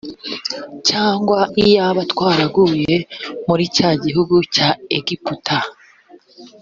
cyangwa iyaba twaraguye muri cya gihugu cya egiputa